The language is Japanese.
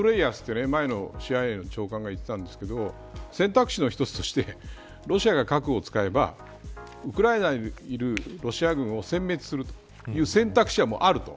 前のＣＩＡの長官が言ってたんですけど選択肢の１つとしてロシアが核を使えばウクライナにいるロシア軍をせん滅するという選択肢はもうあると。